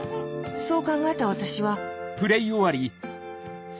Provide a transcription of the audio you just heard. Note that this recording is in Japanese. そう考えた私は